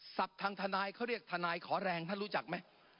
ทางทนายเขาเรียกทนายขอแรงท่านรู้จักไหม